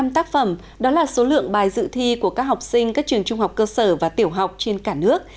hai một trăm bốn mươi năm tác phẩm đó là số lượng bài dự thi của các học sinh các trường trung học cơ sở và tiểu học trên cả nước